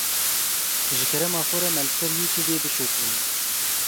Ji kerema xwe re me li ser youtubeê bişopînin.